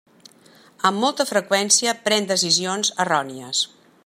Amb molta freqüència pren decisions errònies.